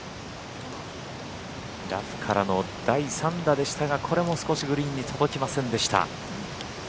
ラフからの第３打でしたがこれも少しグリーンに届きませんでした。